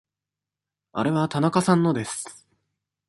あれは田中さんのです。